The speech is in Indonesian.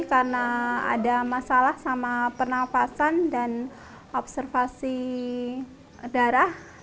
karena ada masalah sama pernafasan dan observasi darah